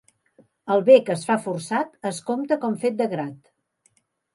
El bé que es fa forçat es compta com fet de grat.